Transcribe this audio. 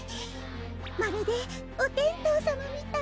まるでおてんとうさまみたい。